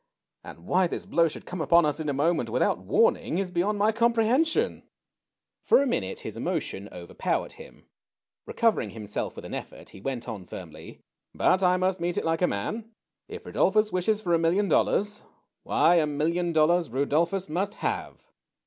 And why this blow should come upon us in a moment, without warning, is beyond my comprehension .'' 230 THE CHILDREN'S WONDER BOOK. For a minute his emotion overpowered him. Re covering himself with an effort, he went on firmly :" But I must meet it like a man ! If Rudolphus wishes for a million dollars, why, a million dollars Rudolphus must have